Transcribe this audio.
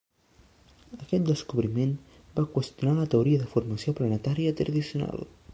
Aquest descobriment va qüestionar la teoria de formació planetària tradicional.